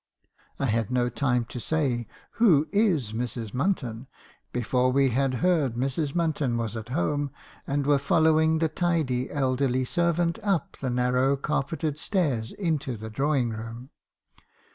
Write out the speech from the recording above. "I had no time to say, 'Who is Mrs. Munton?' before we had heard Mrs. Munton was at home, and were following the tidy elderly servant up the narrow carpeted stairs into the drawing room.